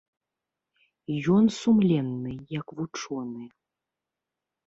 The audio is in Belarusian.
Ён сумленны як вучоны.